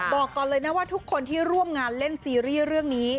บอกก่อนเลยนะว่าทุกคนที่ร่วมงานเล่นซีรีส์เรื่องนี้